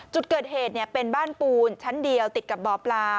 จุดเกิดเหตุเป็นบ้านปูนชั้นเดียวติดกับบ่อปลา